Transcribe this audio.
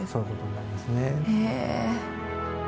へえ。